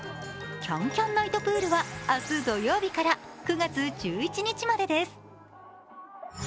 ＣａｎＣａｍＮｉｇｈｔＰｏｏｌは明日土曜日から９月１１日までです。